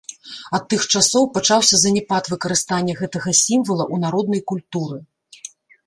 Ад тых часоў пачаўся заняпад выкарыстання гэтага сімвала ў народнай культуры.